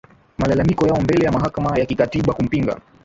malalamiko yao mbele ya mahakama ya kikatiba kumpinga